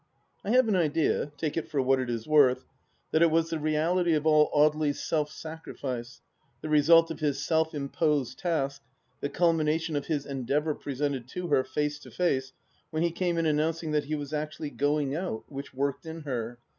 I have an idea — take it for what it is worth — ^that it was the reality of all Audely's self sacrifice, the result of his self imposed task, the culmination of his endeavour pre sented to her, face to face, when he came in announcing that he was actually " going out," which worked in her.